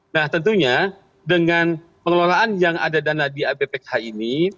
nah tentunya dengan pengelolaan yang ada dana di bpkh ini